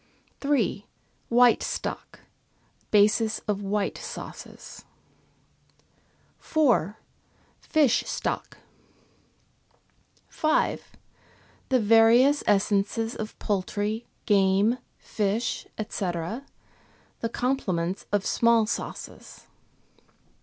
3. White stock, basis of white sauces. 4. Fish stock. 5. The various essences of poultry, game, fish, &c., the complements of small sauces.